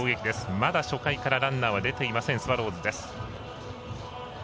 まだ初回からランナーは出ていません、スワローズです。